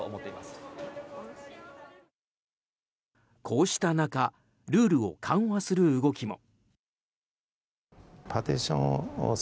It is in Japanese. こうした中ルールを緩和する動きも。